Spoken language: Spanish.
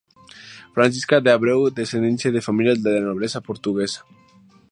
Francisca de Abreu, descendiente de familias de nobleza portuguesa.